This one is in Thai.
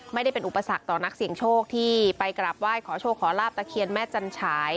ไม่ได้เป็นอุปสรรคต่อนักเสี่ยงโชคที่ไปกราบไหว้ขอโชคขอลาบตะเคียนแม่จันฉาย